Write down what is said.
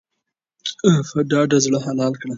په ډاډه زړه حلال کړه.